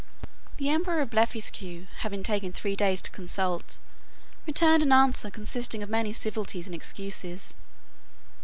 The emperor of Blefuscu, having taken three days to consult, returned an answer consisting of many civilities and excuses.